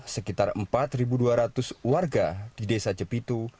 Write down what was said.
sekitar empat dua ratus warga di desa jepitu